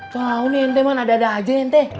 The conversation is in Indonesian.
tahu nih ente ada ada aja ente